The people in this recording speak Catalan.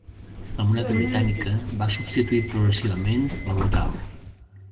La moneda britànica va substituir progressivament la local.